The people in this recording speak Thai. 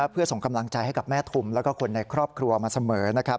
เพื่อส่งกำลังใจให้กับแม่ทุมแล้วก็คนในครอบครัวมาเสมอนะครับ